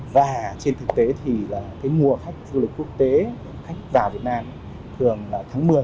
và trên thực tế thì là cái mùa khách du lịch quốc tế khách vào việt nam thường là tháng một mươi